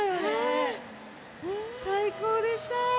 最高でした。